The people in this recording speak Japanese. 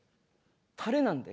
タレなんで。